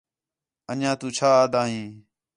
انڄیاں تُو چھا آہدا ہیں